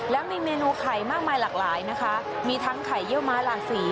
แล้วมีเมนูไข่มากมายหลากหลายนะคะมีทั้งไข่เยี่ยวม้าหลากสี